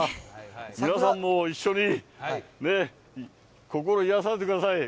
皆さんも一緒に、ね、心癒されてください。